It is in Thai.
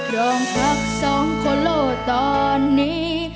โรงพักสองคนโลกตอนนี้